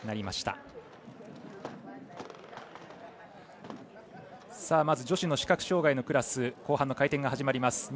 まず女子の視覚障がいのクラス後半の回転が始まります。